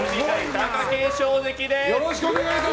貴景勝関です。